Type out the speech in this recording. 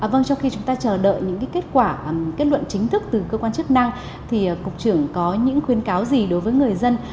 vâng trong khi chúng ta chờ đợi những kết quả kết luận chính thức từ cơ quan chức năng thì cục trưởng có những khuyến cáo gì đối với người dân